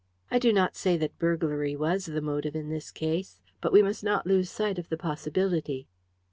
I do not say that burglary was the motive in this case, but we must not lose sight of the possibility."